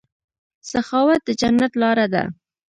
سخاوت د جنت لاره ده.